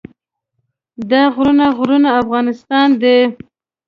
دا غرونه غرونه افغانستان دی.